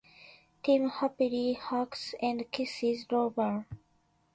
Tim happily hugs and kisses Rover.